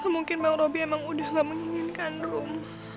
mungkin bang robi emang udah gak menginginkan rum